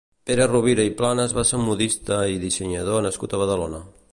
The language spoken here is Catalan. Pere Rovira i Planas va ser un modista i dissenyador nascut a Badalona.